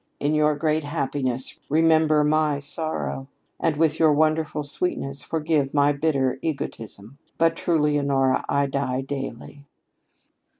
In your great happiness remember my sorrow. And with your wonderful sweetness forgive my bitter egotism. But truly, Honora, I die daily."